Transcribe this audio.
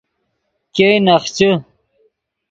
ګئے نخچے